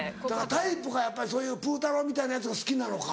タイプがやっぱりそういうプータローみたいなヤツが好きなのか。